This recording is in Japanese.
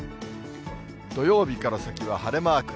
土曜日から先は晴れマーク。